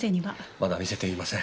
まだ見せていません。